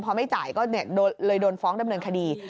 พอไม่จ่ายก็เลยโดนฟ้องดำเนินคดี